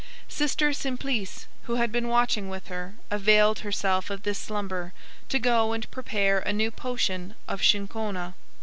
Sister Simplice, who had been watching with her, availed herself of this slumber to go and prepare a new potion of chinchona.